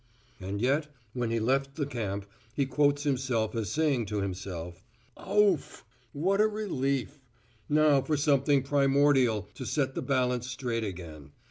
And yet when he left the camp he quotes himself as saying to himself: "Ouf! What a relief. Now for something primordial to set the balance straight again.